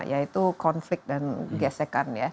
yaitu konflik dan gesekan